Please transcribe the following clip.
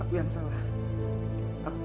aku yang salah